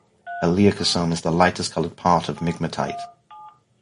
A leucosome is the lightest-colored part of migmatite.